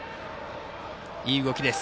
いい動きです。